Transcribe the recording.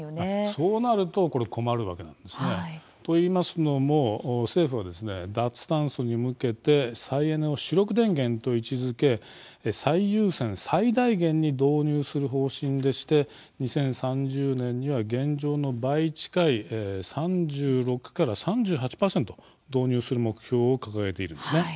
そうなるとこれ困るわけなんですね。というのも政府は脱炭素に向けて再エネを主力電源と位置づけ最優先、最大限に導入する方針でして２０３０年には現状の倍近い３６３８％導入する目標を掲げているんですね。